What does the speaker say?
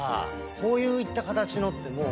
こういった形のってもう。